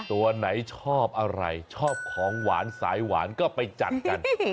ตัวไหนชอบอะไรชอบของหวานสายหวานก็ไปจัดกัน